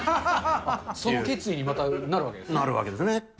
その決意にまた、なるわけでなるわけですね。